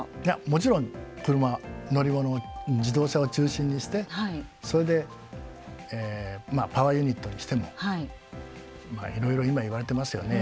もちろん車乗り物自動車を中心にしてそれでパワーユニットにしてもまあいろいろ今言われてますよね。